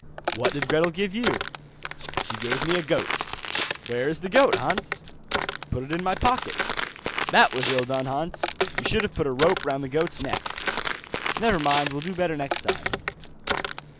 'What did Gretel give you?' 'She gave me a goat.' 'Where is the goat, Hans?' 'Put it in my pocket.' 'That was ill done, Hans, you should have put a rope round the goat's neck.' 'Never mind, will do better next time.